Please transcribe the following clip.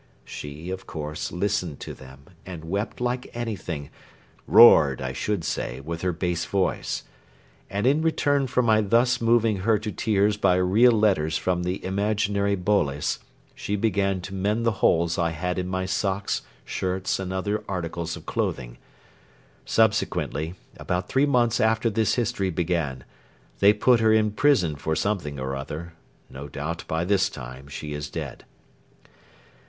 She, of course, listened to them, and wept like anything, roared, I should say, with her bass voice. And in return for my thus moving her to tears by real letters from the imaginary Boles, she began to mend the holes I had in my socks, shirts, and other articles of clothing. Subsequently, about three months after this history began, they put her in prison for something or other. No doubt by this time she is dead.